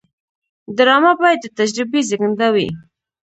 ډرامه باید د تجربې زیږنده وي